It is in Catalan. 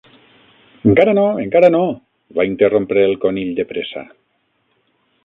"Encara no, encara no!" va interrompre el Conill de pressa.